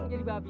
gue jadi babi